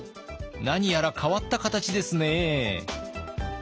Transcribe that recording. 何やら変わった形ですね。